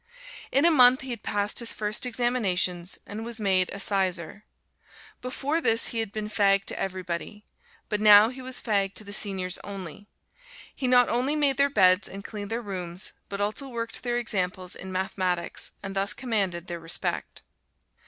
In a month he had passed his first examinations and was made a sizar. Before this he had been fag to everybody, but now he was fag to the Seniors only. He not only made their beds and cleaned their rooms, but also worked their examples in mathematics, and thus commanded their respect.